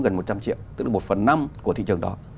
gần một trăm linh triệu tức là một phần năm của thị trường đó